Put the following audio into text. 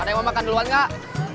ada yang mau makan duluan nggak